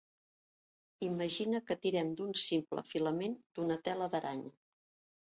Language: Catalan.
Imagina que tirem d'un simple filament d'una tela d'aranya.